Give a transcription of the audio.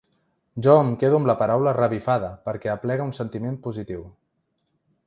Jo em quedo amb la paraula ‘revifada’ perquè aplega un sentiment positiu.